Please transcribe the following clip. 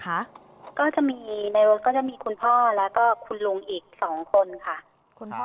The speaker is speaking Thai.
ก็จะมีในโลกก็จะมีคุณพ่อแล้วก็คุณลุงอีก๒คนค่ะ